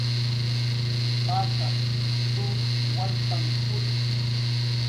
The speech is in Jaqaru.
Pacxaq cxunk wallpanh utki